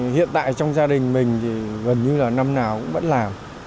hiện tại trong gia đình mình thì gần như là năm nào cũng vẫn làm